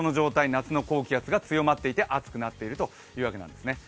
夏の高気圧が強まっていて暑くなっているというわけなんですね。